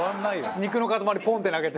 肉の塊ポンって投げて。